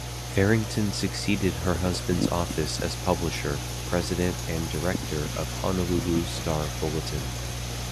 Farrington succeeded her husband's office as publisher, president and director of "Honolulu Star-Bulletin".